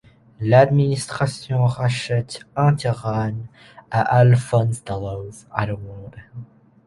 L’administration rachète un terrain à Alphonse Daloz.